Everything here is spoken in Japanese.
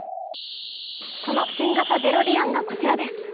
その新型デロリアンがこちらです。